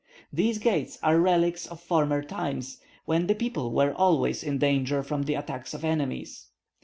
These gates are relics of former times, when the people were always in danger from the attacks of enemies.